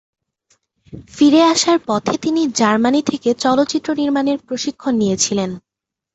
ফিরে আসার পথে তিনি জার্মানি থেকে চলচ্চিত্র নির্মাণের প্রশিক্ষণ নিয়েছিলেন।